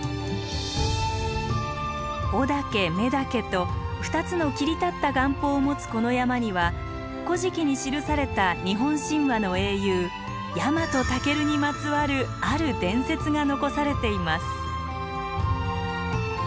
雄岳雌岳と２つの切り立った岩峰を持つこの山には「古事記」に記された日本神話の英雄ヤマトタケルにまつわるある伝説が残されています。